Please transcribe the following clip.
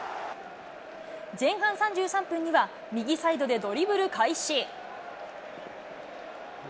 前半３３分には、右サイドでドリブル開始。